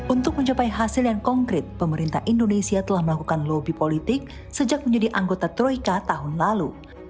untuk mencapai hasil yang konkret pemerintah indonesia telah melakukan lobby politik sejak menjadi anggota troika tahun lalu